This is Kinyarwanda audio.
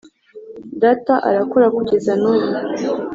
“Data arakora kugeza n’ubu